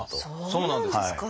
そうなんですか！